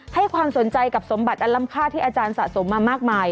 ให้ความสนใจกับสมบัติอันล้ำค่าที่อาจารย์สะสมมามากมาย